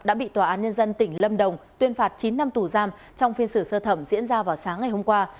đã bị tòa án nhân dân tỉnh lâm đồng tuyên phạt chín năm tù giam trong phiên xử sơ thẩm diễn ra vào sáng ngày hôm qua